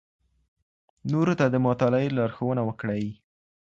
نورو ته د مطالعې لارښوونه وکړئ.